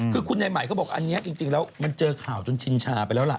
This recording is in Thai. คือคุณในใหม่เขาบอกอันนี้จริงแล้วมันเจอข่าวจนชินชาไปแล้วล่ะ